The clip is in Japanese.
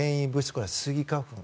これはスギ花粉。